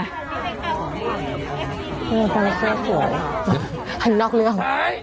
โอ้โฮเลขสวยนอกเรื่อง